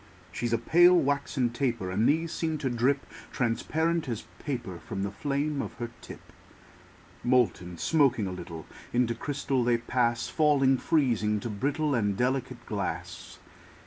She's a pale, waxen taper; And these seem to drip Transparent as paper From the flame of her tip. Molten, smoking a little, Into crystal they pass; Falling, freezing, to brittle And delicate glass.